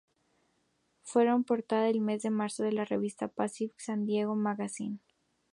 Fueron portada del mes de marzo de la revista "Pacific San Diego Magazine".